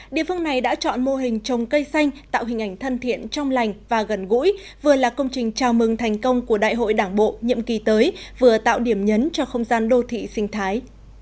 địa phương này đã chọn mô hình trồng cây xanh tạo hình ảnh thân thiện trong lành và gần gũi vừa là công trình chào mừng thành công của đại hội đảng bộ nhiệm kỳ tới vừa tạo điểm nhấn cho không gian đô thị sinh thái